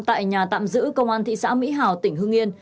tại nhà tạm giữ công an thị xã mỹ hào tỉnh hưng yên